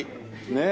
ねえ。